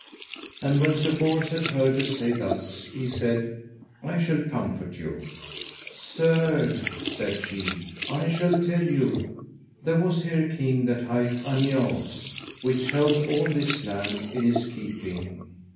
And when Sir Bors had heard her say thus, he said: I shall comfort you. Sir, said she, I shall tell you there was here a king that hight Aniause, which held all this land in his keeping.